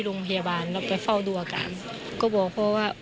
เดี๋ยวปู่กับย่า